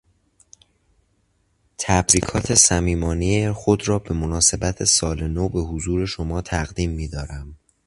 تبریکات صمیمانهٔ خود را به مناسبت سال نو بحضور شما تقدیم میدارم.